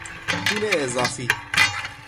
پول اضافی